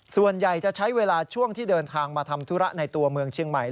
ส่วนใหญ่จะใช้เวลาช่วงที่เดินทางมาทำธุระในตัวเมืองเชียงใหม่